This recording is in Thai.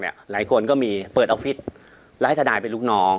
หลายคนก็มีเปิดออฟฟิศแล้วให้ทนายเป็นลูกน้อง